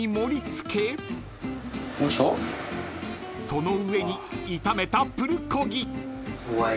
［その上に炒めたプルコギ］